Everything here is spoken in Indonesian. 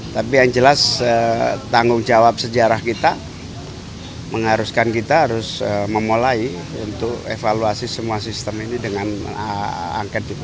tapi yang jelas tanggung jawab sejarah kita mengharuskan kita harus memulai untuk evaluasi semua sistem ini dengan angket dukungan